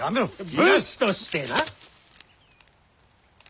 武士として。